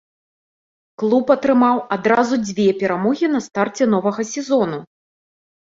Клуб атрымаў адразу дзве перамогі на старце новага сезону.